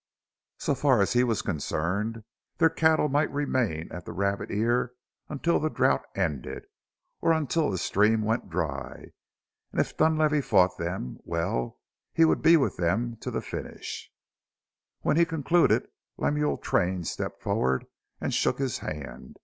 So far as he was concerned their cattle might remain at the Rabbit Ear until the drought ended, or until the stream went dry. And if Dunlavey fought them well, he would be with them to the finish. When he had concluded Lemuel Train stepped forward and shook his hand.